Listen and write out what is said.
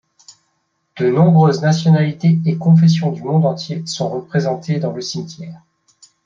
De nombreuses nationalités et confessions du monde entier sont représentées dans le cimetière.